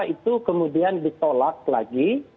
itu kemudian ditolak lagi